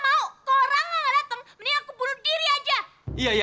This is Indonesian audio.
kalau rangga nggak dateng mending aku bunuh diri aja